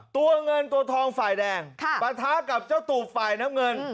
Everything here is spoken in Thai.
ตัวเงินตัวทองฝ่ายแดงปะทะกับเจ้าตูบฝ่ายน้ำเงิน